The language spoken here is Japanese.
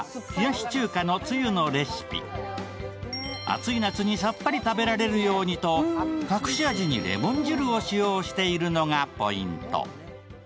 暑い夏にさっぱり食べられるようにと、隠し味にレモン汁を使用しているのがポイント。